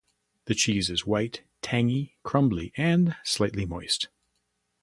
The cheese is white, tangy, crumbly and slightly moist.